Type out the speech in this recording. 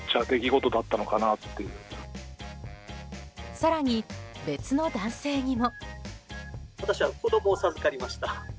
更に別の男性にも。